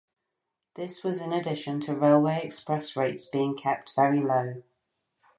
This was in addition to railway express rates being kept very low.